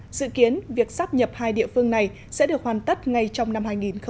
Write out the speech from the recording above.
trong sự kiện này dự kiến việc sắp nhập hai địa phương này sẽ được hoàn tất ngay trong năm hai nghìn một mươi chín